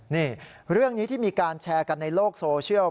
นี่เรื่องนี้ที่มีการแชร์กันในโลกโซเชียล